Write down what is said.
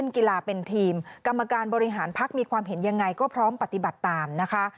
กรรมการบริหารพักมีความเห็นอย่างไรก็พร้อมปฏิบัติตามนะคะ